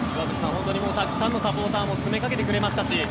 本当にたくさんのサポーターも詰めかけてくれましたし。